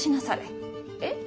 えっ？